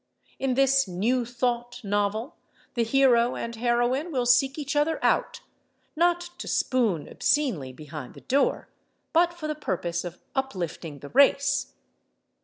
In this New Thought novel the hero and heroine will seek each other out, not to spoon obscenely behind the door, but for the purpose of uplifting the race.